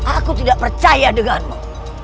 aku tidak percaya denganmu